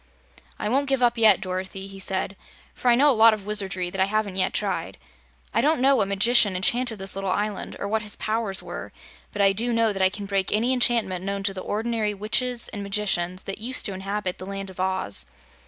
"I won't give up yet, Dorothy," he said, "for I know a lot of wizardry that I haven't yet tried. I don't know what magician enchanted this little island, or what his powers were, but I DO know that I can break any enchantment known to the ordinary witches and magicians that used to inhabit the Land of Oz.